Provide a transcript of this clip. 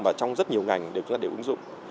mà trong rất nhiều ngành chúng ta đều ứng dụng